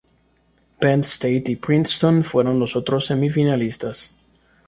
Penn State y Princeton fueron los otros semifinalistas.